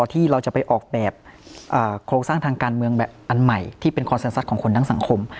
ที่เราจะไปออกแบบโครงสร้างทางการเมืองแบบอันใหม่ที่เป็นคอนเซ็นซัดของคนทั้งสังคม